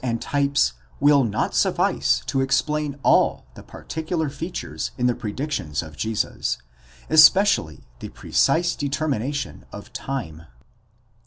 and types will not suffice to explain all the particular features in the predic tions of Jesus, especially the precise determination of time.